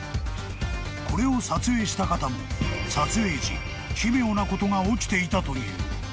［これを撮影した方も撮影時奇妙なことが起きていたという］